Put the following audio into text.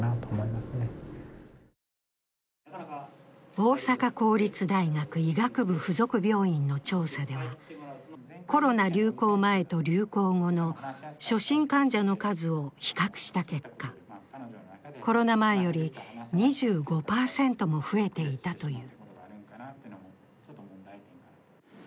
大阪公立大学医学部附属病院の調査では、コロナ流行前と流行後の初診患者の数を比較した結果、コロナ前より２５％も増えていたという。